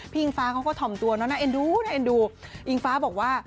พี่อิงฟ้าเขาก็ถ่อมตัวน่าเอ็นดูอิงฟ้าบอกว่า